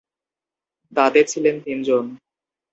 তাতে ছিলেন তিনজন।